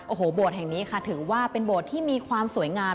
โอ้โหโบสถ์แห่งนี้ค่ะถือว่าเป็นโบสถ์ที่มีความสวยงาม